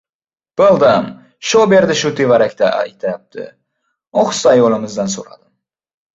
Bildim — Shoberdi shu tevarakda aytayapti. Ohista ayolimizdan so‘radim.